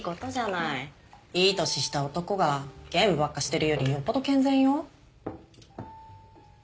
いい年した男がゲームばっかしてるよりよっぽど健全よ。